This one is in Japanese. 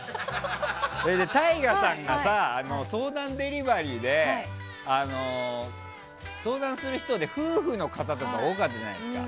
それで、ＴＡＩＧＡさんが相談デリバリーで相談する人で夫婦の方とか多かったじゃないですか。